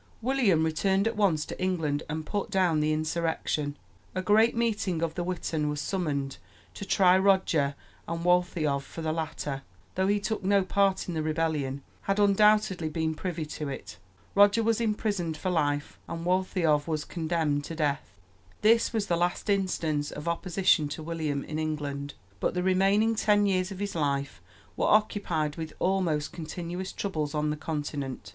William returned at once to England and put down the insurrection. A great meeting of the witan was summoned to try Roger and Waltheof, for the latter, though he took no part in the rebellion, had undoubtedly been privy to it. Roger was imprisoned for life and Waltheof was condemned to death. This was the last instance of opposition to William in England; but the remaining ten years of his life were occupied with almost continuous troubles on the Continent.